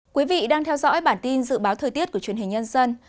quý vị đang theo dõi bản tin dự báo thời tiết của truyền hình nhân dân